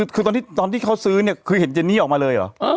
คือตอนที่เขาซื้อเนี่ยคือเห็นเจนี่ออกมาเลยเหรอ